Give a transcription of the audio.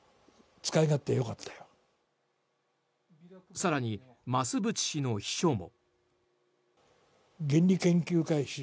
更に、増渕氏の秘書も。